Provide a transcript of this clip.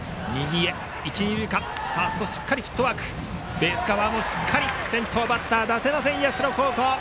ベースカバーもしっかり先頭バッター出せません、社高校。